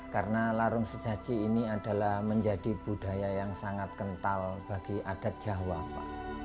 karena larung sejati ini adalah menjadi budaya yang sangat kental bagi adat jahwafa